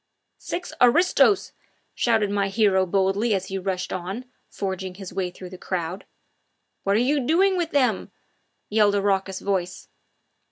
"Six aristos!" shouted my hero boldly as he rushed on, forging his way through the crowd. "What are you doing with them?" yelled a raucous voice.